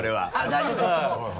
大丈夫ですもう。